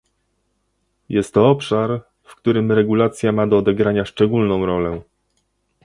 Jest to obszar, w którym regulacja ma do odegrania szczególną rolę